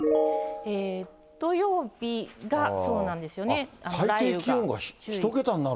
土曜日がそうなんですよね。